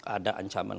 ada ancaman kompetensi